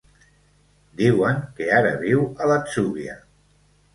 Diuen que ara viu a l'Atzúbia.